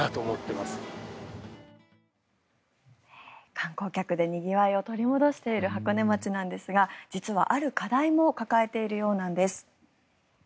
観光客でにぎわいを取り戻している箱根町なんですが実はある課題も抱えているようなんです。